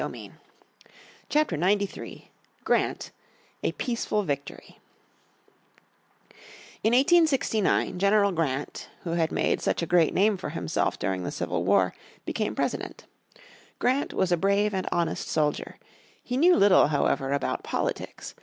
__________ Chapter 93 Grant A Peaceful Victory In l869 General Grant, who had made such a great name for himself during the Civil War, became President. Grant was a brave and honest soldier. He knew little however about politics.